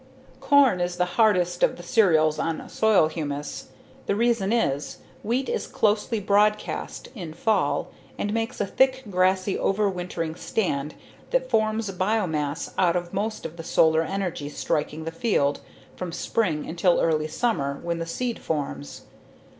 Corn is the hardest of the cereals on soil humus. The reason is, wheat is closely broadcast in fall and makes a thick grassy overwintering stand that forms biomass out of most of the solar energy striking the field from spring until early summer when the seed forms.